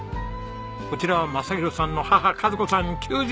こちらは雅啓さんの母和子さん９２歳。